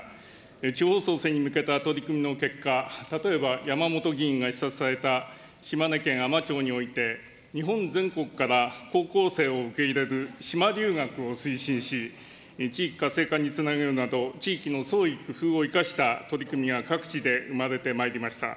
地方創生に向けた取り組みの結果、例えば山本議員が視察された島根県海士町において、日本全国から高校生を受け入れる島留学を推進し、地域活性化につなげるなど、地域の創意工夫を生かした取り組みが各地で生まれてまいりました。